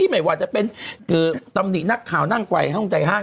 ก็ยังไม่ว่าจะเป็นตำหนิหนักข่าวนางไขว่ห้างทุนใจห้าง